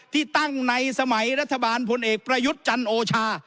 ที่ตั้งในสมัยรัฐบาลพลเอกประยุทธ์จันโอชา